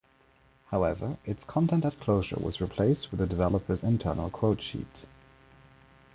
However, its content at closure was replaced with the developer's internal quote sheet.